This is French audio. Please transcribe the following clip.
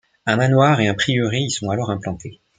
Un manoir et un prieuré y sont alors implantés.